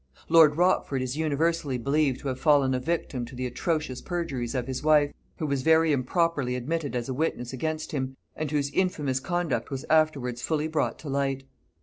Lord Rochford is universally believed to have fallen a victim to the atrocious perjuries of his wife, who was very improperly admitted as a witness against him, and whose infamous conduct was afterwards fully brought to light.